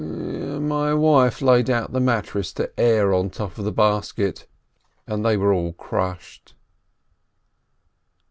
"My wife laid out the mattress to air on the top of the basket, and they were all crushed."